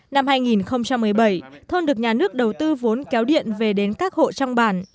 năm hai nghìn một mươi bảy thôn được nhà nước đầu tư vốn kéo điện về đến các hộ trong bản